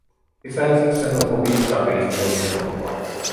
ის არის ქსენოფობიის საპირისპირო მნიშვნელობა.